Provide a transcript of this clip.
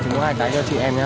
chúng có hai cái cho chị em nha